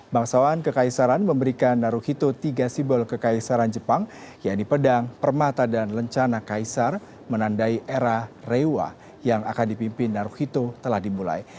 bangsawan kekaisaran memberikan naruhito tiga simbol kekaisaran jepang yaitu pedang permata dan lencana kaisar menandai era rewa yang akan dipimpin naruhito telah dimulai